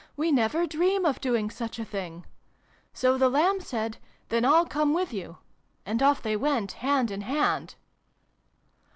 We never dream of doing such a thing !' So the Lamb said ' Then I'll come with you.' And off they went, hand in hand."